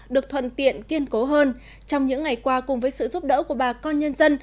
được thuận tiện kiên cố hơn trong những ngày qua cùng với sự giúp đỡ của bà con nhân dân